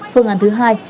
phương án thứ hai